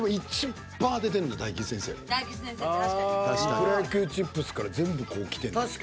プロ野球チップスから全部こうきてんのよ。